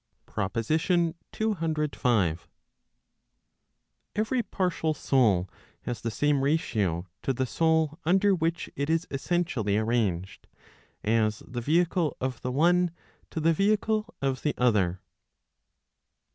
PROPOSITION CCV. Every partial soul has the same ratio to the soul under which it is essentially arranged, as the vehicle of the one to the vehicle of the other.